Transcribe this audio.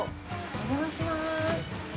お邪魔します。